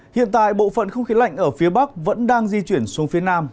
hiện tại bộ phận không khí lạnh ở phía bắc vẫn đang di chuyển xuống phía nam